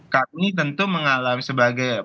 kami tentu mengalami sebagai